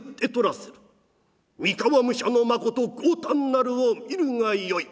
三河武者のまこと豪胆なるを見るがよい。